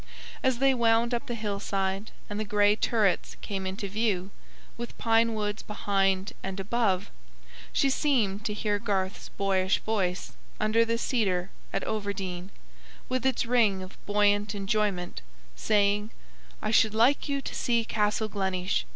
As they wound up the hillside and the grey turrets came into view, with pine woods behind and above, she seemed to hear Garth's boyish voice under the cedar at Overdene, with its ring of buoyant enjoyment, saying: "I should like you to see Castle Gleneesh.